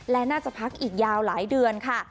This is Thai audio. และน่าจะพักอีกยาวหลายเดือนค่ะ